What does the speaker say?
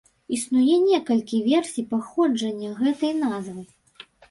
Існуе некалькі версій паходжання гэтай назвы.